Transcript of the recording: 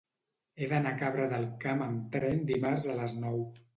He d'anar a Cabra del Camp amb tren dimarts a les nou.